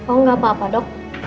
oh enggak apa apa dok